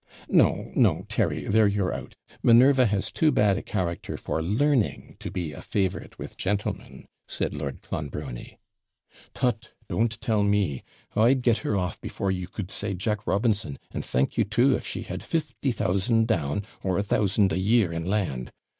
'No, no, Terry, there you're out; Minerva has too bad a character for learning to be a favourite with gentlemen,' said Lord Clonbrony. 'Tut Don't tell me! I'd get her off before you could say Jack Robinson, and thank you too, if she had fifty thousand down, or a thousand a year in land.